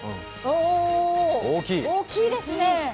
大きいですね。